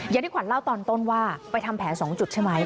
อย่างที่ขวัญเล่าตอนต้นว่าไปทำแผล๒จุดใช่ไหม